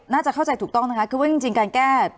น่าจะเข้าใจถูกต้องนะคะคือว่าจริงการแก้